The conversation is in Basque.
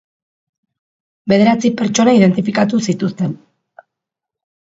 Bederatzi pertsona identifikatu zituzten.